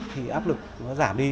thì áp lực nó giảm đi